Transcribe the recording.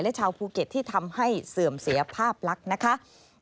และชาวภูเก็ตที่ทำให้เสื่อมเสียภาพลักษณ์นะคะ